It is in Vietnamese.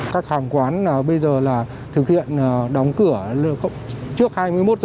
các hàng quán bây giờ là thực hiện đóng cửa trước hai mươi một h